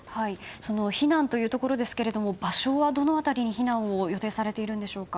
避難というところですけれども場所は、どの辺りに避難を予定されているんでしょうか。